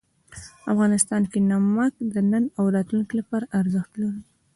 افغانستان کې نمک د نن او راتلونکي لپاره ارزښت لري.